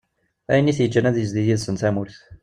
Ayen i t-yeğğan ad yezdi yid-sen tamurt.